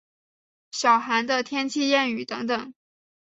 小寒的天气谚语等等。